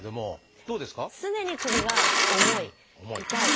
常に首が重い痛い。